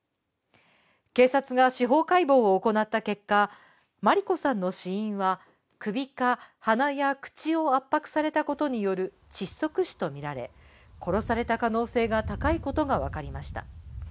警察は司法解剖を行った結果、萬里子さんの死因は首か鼻や口を圧迫されたことによる窒息死とみられ、殺された可能性が高いことがわかりました。